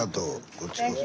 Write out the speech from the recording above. こっちこそ。